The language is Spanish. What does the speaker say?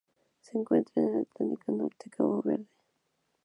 Se encuentra en el Atlántico norte: Cabo Verde.